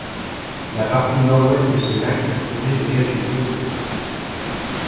La partie Nord-Ouest de ce lac est entouré de quelques zones de marais.